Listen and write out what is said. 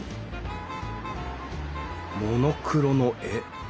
モノクロの絵。